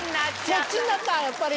そっちになったやっぱり。